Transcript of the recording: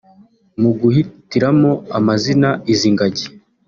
mu guhitiramo amazina izi ngagi